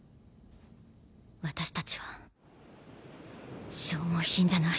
私たちは消耗品じゃない。